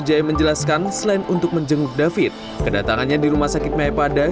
jaya menjelaskan selain untuk menjenguk david kedatangannya di rumah sakit mayapada